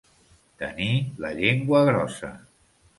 Tenir la llengua grossa.